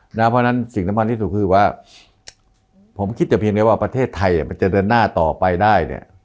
เพราะฉะนั้นสิ่งที่สุดคือว่าผมคิดแค่ว่าประเทศไทยมันจะเดินหน้าต่อไปได้